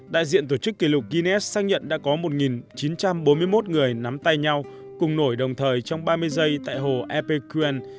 đại diện tổ chức kỷ lục guinness xác nhận đã có một chín trăm bốn mươi một người nắm tay nhau cùng nổi đồng thời trong ba mươi giây tại hồ epec quyen